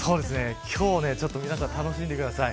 今日は皆さん楽しんでください。